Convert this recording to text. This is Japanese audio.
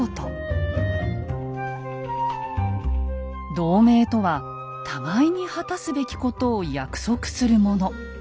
「同盟」とは互いに果たすべきことを約束するもの。